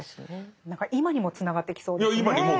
何か今にもつながってきそうですね。